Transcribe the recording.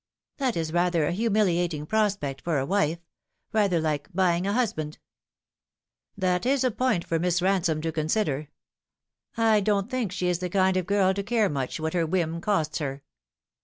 " That is rather a humiliating prospect for a wife rather like buying a husband." " That is a point for Miss Ransome to consider. I don't think she is the kind of girl to care much what her whim costs her."